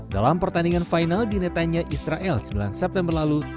dalam pertandingan final di netanya israel sembilan september lalu